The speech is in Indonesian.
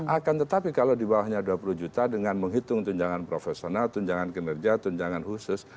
akan tetapi kalau di bawahnya dua puluh juta dengan menghitung tunjangan profesional tunjangan kinerja tunjangan khusus